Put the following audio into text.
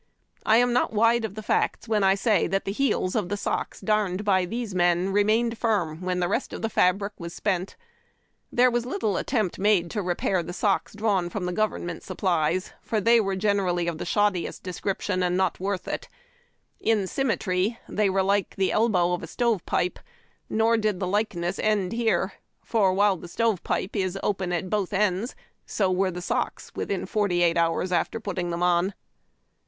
I am not wide of the facts when I say that the heels of the socks darned by these men re mained firm when the rest of the fabric was well spent. Tliere was little attempt made to repair the socks drawn from the government supplies, for they were generally of A HOUSEWIFE. LIFE IN LOG HUTS. ST the shoddiest description, and not worth it. In synnnetr}' , they were like an elbow of stove pipe ; nor did the likeness end here, for, while the stove pipe is open at both ends, so were the socks within forty eight hours after puttings them on.